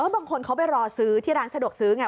บางคนเขาไปรอซื้อที่ร้านสะดวกซื้อไง